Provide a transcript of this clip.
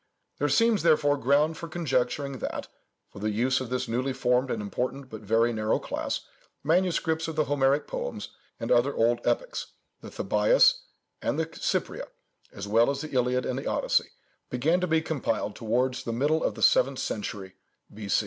There seems, therefore, ground for conjecturing that (for the use of this newly formed and important, but very narrow class), manuscripts of the Homeric poems and other old epics,—the Thebaïs and the Cypria, as well as the Iliad and the Odyssey,—began to be compiled towards the middle of the seventh century (B.